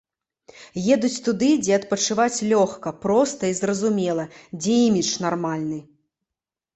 Едуць туды, дзе адпачываць лёгка, проста і зразумела, дзе імідж нармальны.